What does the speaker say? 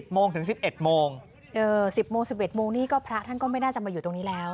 ๑๐โมงถึง๑๑โมงนี่พระท่านก็ไม่น่าจะมาอยู่ตรงนี้แล้ว